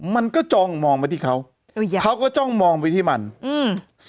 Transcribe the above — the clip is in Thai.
มันก็จองมองไปที่เขาเขาก็จ้องมองไปที่มันอืม